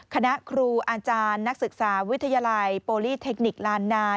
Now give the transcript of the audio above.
คณะครูอาจารย์นักศึกษาวิทยาลัยโปรลี่เทคนิคลานนา